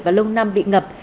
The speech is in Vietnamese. và lông nam bị ngập